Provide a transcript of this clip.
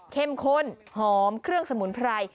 ข้นหอมเครื่องสมุนไพร